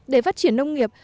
để phát triển nông nghiệp